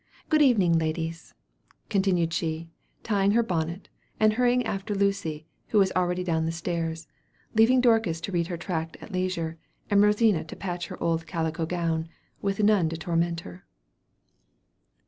Good evening, ladies," continued she, tying her bonnet; and she hurried after Lucy, who was already down the stairs, leaving Dorcas to read her tract at leisure, and Rosina to patch her old calico gown, with none to torment her.